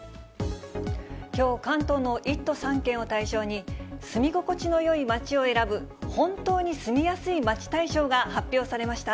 きょう、関東の１都３県を対象に、住み心地のよい街を選ぶ、本当に住みやすい街大賞が発表されました。